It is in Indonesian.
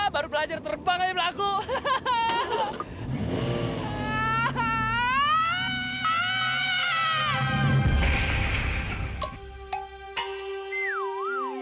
baru belajar terbang aja berlaku